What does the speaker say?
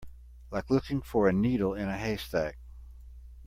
Like looking for a needle in a haystack.